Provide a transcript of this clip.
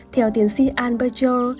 theo tiến sĩ anne berger